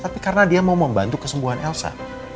tapi karena dia mau membantu kesembuhan elsa